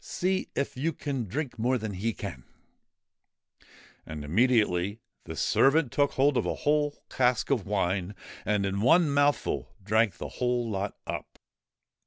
See if you can drink more than he can !' And immediately the servant took hold of a whole cask of wine, and in one mouthful drank the whole lot up.